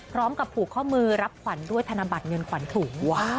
พร้อมกับผูกข้อมือรับขวัญด้วยธนบัตรเงินขวัญถุง